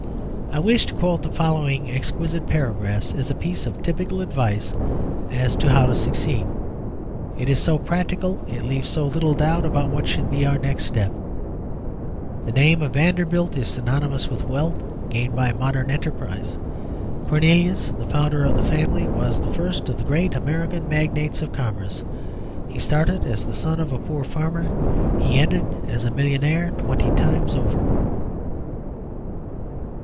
I wish to quote the following exquisite paragraphs as a piece of typical advice as to how to succeed. It is so practical; it leaves so little doubt about what should be our next step "The name of Vanderbilt is synonymous with wealth gained by modern enterprise. 'Cornelius,' the founder of the family, was the first of the great American magnates of commerce. He started as the son of a poor farmer; he ended as a millionaire twenty times over."